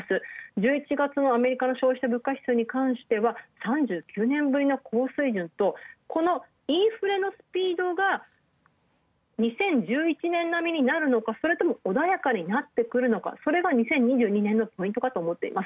１１月のアメリカ消費者物価指数は３９年ぶりの高水準とインフレのスピードが２０１１年並みになるのか、それとも穏やかになるのか、それが２０２２年のポイントかと思っています。